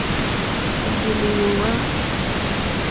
Òrzì lìhwówá.